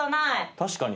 確かに。